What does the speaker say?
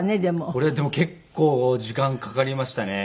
これでも結構時間かかりましたね。